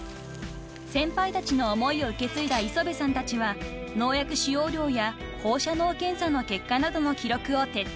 ［先輩たちの思いを受け継いだ磯部さんたちは農薬使用量や放射能検査の結果などの記録を徹底］